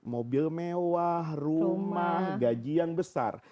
mobil mewah rumah gaji yang besar